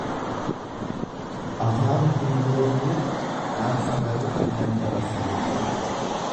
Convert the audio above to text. Afaan hin beekuu dhaamsa garuu nan dabarsa jechuudha.